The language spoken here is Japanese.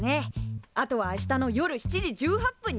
あとは明日の夜７時１８分に来るだけ。